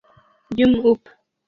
Jump Up!